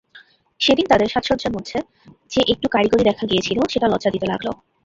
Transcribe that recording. সেদিন তাদের সাজসজ্জার মধ্যে যে একটু কারিগরি দেখা গিয়েছিল সেটা লজ্জা দিতে লাগল।